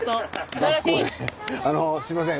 あのすいません。